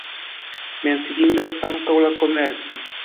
Menciindas ankaŭ la komerco.